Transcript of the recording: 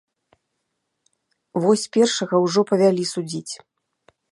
Вось першага ўжо павялі судзіць.